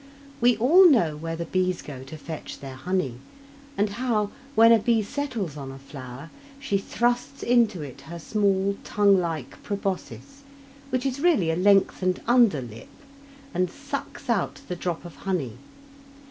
We all know where the bees go to fetch their honey, and how, when a bee settles on a flower, she thrusts into it her small tongue like proboscis, which is really a lengthened under lip, and sucks out the drop of honey.